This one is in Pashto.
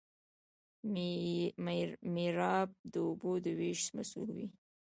میرآب د اوبو د ویش مسوول وي.